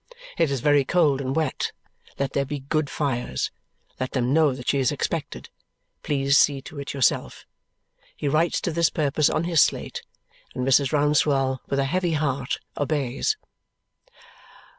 It is very cold and wet. Let there be good fires. Let them know that she is expected. Please see to it yourself. He writes to this purpose on his slate, and Mrs. Rouncewell with a heavy heart obeys.